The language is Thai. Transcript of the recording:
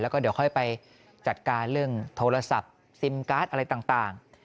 แล้วก็เดี๋ยวค่อยไปจัดการเรื่องโทรศัพท์ซิมการ์ดอะไรต่าง